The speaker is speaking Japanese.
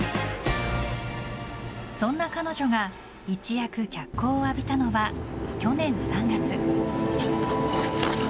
そんな彼女が一躍脚光を浴びたのは去年３月。